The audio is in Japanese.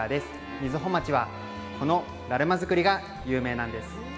瑞穂町はこのだるま作りが有名なんです。